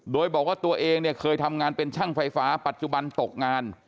โดยบอกว่าตัวเองเนี่ยเคยทำงานเป็นช่างไฟฟ้าปัจจุบันตกงาน